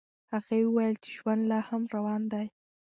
هغې وویل چې ژوند لا هم روان دی.